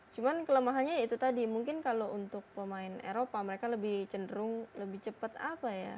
cuma kelemahannya ya itu tadi mungkin kalau untuk pemain eropa mereka lebih cenderung lebih cepat apa ya